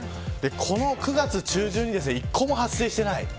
この９月中旬に一個も発生していない。